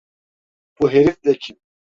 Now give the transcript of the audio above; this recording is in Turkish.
Bu herif de kim?